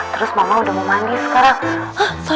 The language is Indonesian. terus mama udah mau mandi sekarang